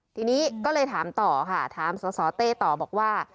ทีนี้ก็เลยถามต่อค่ะถามสสเต้ต่อบอกว่า